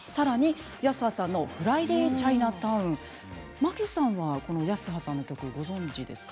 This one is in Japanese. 牧瀬さんは泰葉さんの曲ご存じですか？